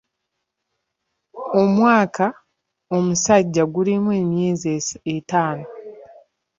Omwaka omusajja gulimu emyezi etaano.